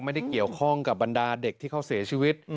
ไม่ได้เกี่ยวข้องกับบรรดาเด็กที่เขาเสียชีวิต